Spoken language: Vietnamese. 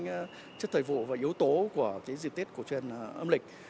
tính chất thời vụ và yếu tố của dịp tiết cổ truyền âm lịch